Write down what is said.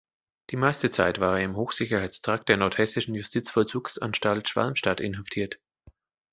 Die meiste Zeit war er im Hochsicherheitstrakt der nordhessischen Justizvollzugsanstalt Schwalmstadt inhaftiert.